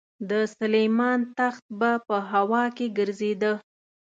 د سلیمان تخت به په هوا کې ګرځېده.